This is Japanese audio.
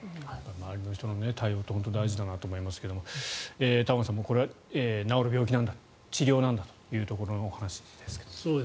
周りの人の対応も大事だなと思いますが玉川さんこれは治る病気なんだ治療なんだというところのお話ですけれど。